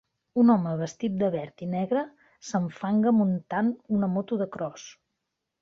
Un home vestit de verd i negre s'enfanga muntant una moto de cros.